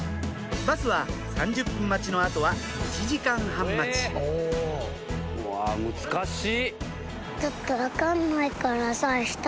バスは３０分待ちの後は１時間半待ちうわ難しい！